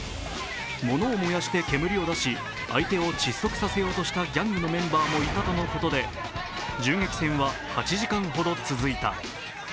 物を燃やして煙を出し、相手を窒息させようとしたギャングのメンバーもいたということで銃撃戦は８時間ほど続いた。